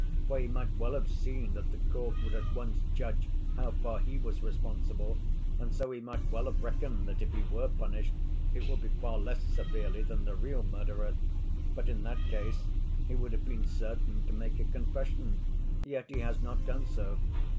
For he might well have seen that the court would at once judge how far he was responsible, and so he might well have reckoned that if he were punished, it would be far less severely than the real murderer. But in that case he would have been certain to make a confession, yet he has not done so.